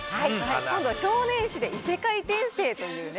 今度、少年誌で異世界転生というね。